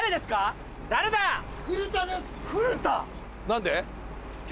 何で？